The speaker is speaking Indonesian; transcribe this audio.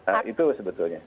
nah itu sebetulnya